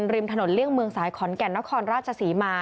ริมถนนเลี่ยงเมืองสายขอนแก่นนครราชศรีมา